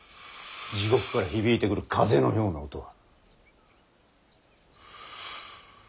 地獄から響いてくる風のような音は。